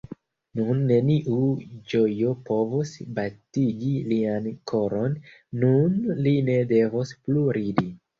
Nun neniu ĝojo povos batigi lian koron; nun li ne devos plu ridi.